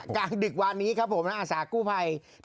กลางดึกวานนี้ครับผมและอาสากู้ภัย